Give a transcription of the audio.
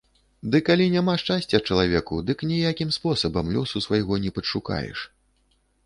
Ды калі няма шчасця чалавеку, дык ніякім спосабам лёсу свайго не падашукаеш.